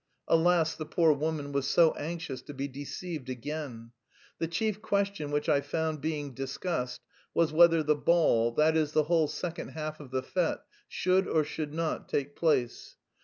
Alas, the poor woman was so anxious to be deceived again! The chief question which I found being discussed was whether the ball, that is, the whole second half of the fête, should or should not take place.